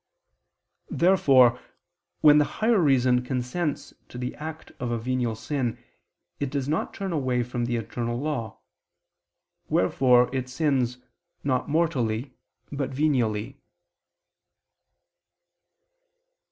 Therefore when the higher reason consents to the act of a venial sin, it does not turn away from the eternal law: wherefore it sins, not mortally, but venially.